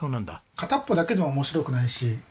片っぽだけでも面白くないし。